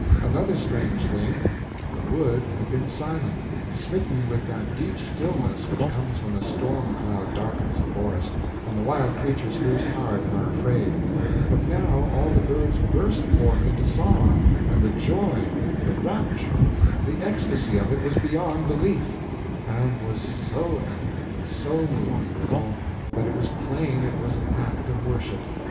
Another strange thing. The wood had been silent—smitten with that deep stillness which comes when a storm cloud darkens a forest, and the wild creatures lose heart and are afraid; but now all the birds burst forth into song, and the joy, the rapture, the ecstasy of it was beyond belief; and was so eloquent and so moving, withal, that it was plain it was an act of worship.